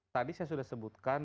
tadi saya sudah sebutkan